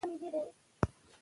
درس په مورنۍ ژبه تدریس کېږي.